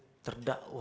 saat ini terdampak